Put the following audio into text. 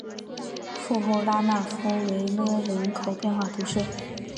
富后拉讷夫维勒人口变化图示